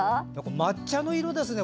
抹茶の色ですね。